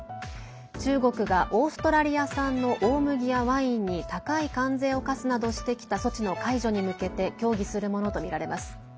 中国がオーストリア産の大麦やワインに高い関税を課すなどしてきた措置の解除に向けて協議するものとみられます。